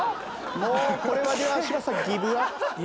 もうこれはでは柴田さんギブアップ？